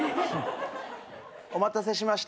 お待たせしました。